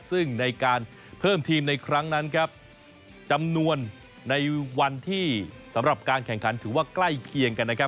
ซึ่งในการเพิ่มทีมในครั้งนั้นครับจำนวนในวันที่สำหรับการแข่งขันถือว่าใกล้เคียงกันนะครับ